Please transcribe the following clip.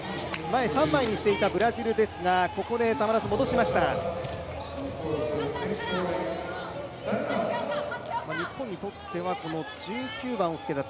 前三枚にしていたブラジルですがここで戻しました。